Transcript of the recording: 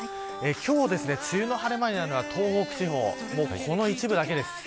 今日、梅雨の晴れ間になるのが東北地方この一部だけです。